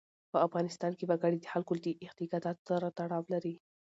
په افغانستان کې وګړي د خلکو د اعتقاداتو سره تړاو لري.